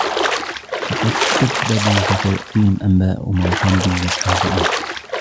فَقَدْ كَذَّبُوا فَسَيَأْتِيهِمْ أَنْبَاءُ مَا كَانُوا بِهِ يَسْتَهْزِئُونَ